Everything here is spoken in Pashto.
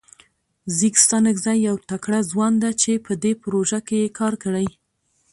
ځیګ ستانکزی یو تکړه ځوان ده چه په دې پروژه کې یې کار کړی.